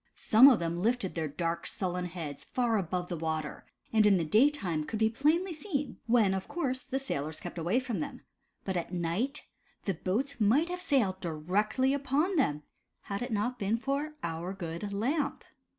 Some of them lifted their dark, sullen heads far above the water, and in the daytime could be plainly seen, when of course, the sailors kept away from them, but at night, the boats might have sailed directly upon them, had it not been for our good Lamp.